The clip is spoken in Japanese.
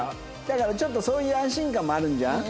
だからちょっとそういう安心感もあるんじゃん？